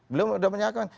belum sudah menyatakan